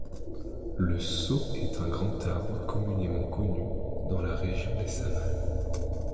Le Sô est un grand arbre communément connu dans la région des savanes.